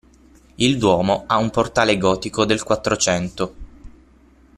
Il Duomo ha un portale gotico del Quattrocento.